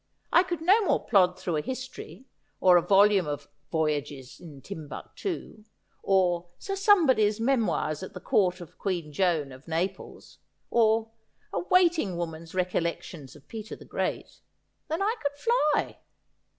I could no more plod through a history, or a volume of " Voyages in Timbuctoo," or " Sir Somebody's Memoirs at the Court of Queen Joan of Naples," or " A Waiting woman's Recollections of Peter the Great," than I could fly.